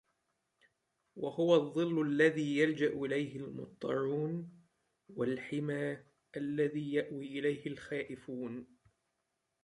وَهُوَ الظِّلُّ الَّذِي يَلْجَأُ إلَيْهِ الْمُضْطَرُّونَ ، وَالْحِمَى الَّذِي يَأْوِي إلَيْهِ الْخَائِفُونَ